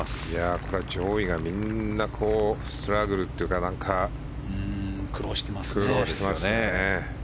これは上位がみんなストラグルというか苦労していますね。